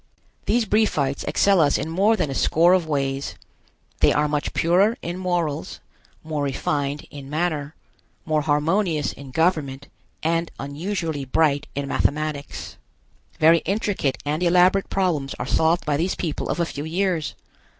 These Briefites excel us in more than a score of ways. They are much purer in morals, more refined in manner, more harmonious in government, and unusually bright in mathematics. Very intricate and elaborate problems are solved by these people of a few years.